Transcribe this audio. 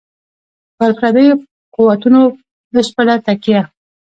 پر پردیو قوتونو بشپړه تکیه.